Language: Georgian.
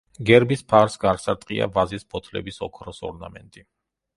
გერბის ფარს გარს არტყია ვაზის ფოთლების ოქროს ორნამენტი.